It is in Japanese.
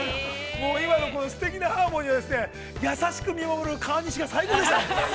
もう今の声、すてきなハーモニーは、優しく見守る、川西が最高でした。